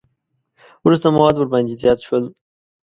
وروسته مواد ورباندې زیات شول.